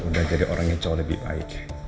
udah jadi orang yang jauh lebih baik